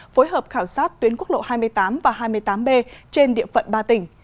phối hợp khảo sát tuyến quốc lộ hai mươi tám và hai mươi tám b trên địa phận ba tỉnh